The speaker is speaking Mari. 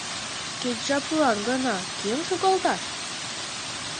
Кеч жаплан гына кӧм шогалташ?